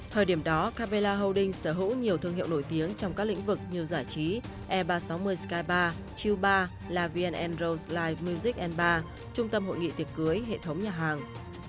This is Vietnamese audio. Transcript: thời điểm đó capella holding sở hữu nhiều thương hiệu nổi tiếng trong các lĩnh vực như giải trí e ba trăm sáu mươi skybar chiu bar lavien rose live music bar trung tâm hội nghị tiệc cưới hệ thống nhà hàng